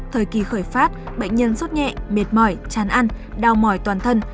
thời kỳ khởi phát bệnh nhân sốt nhẹ mệt mỏi chán ăn đau mỏi toàn thân